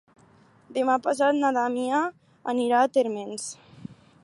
Demà passat na Damià anirà a Térmens.